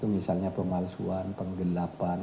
misalnya pemalsuan penggelapan